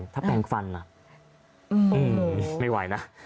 ถ้าแปลงฟันไม่ไหวนะ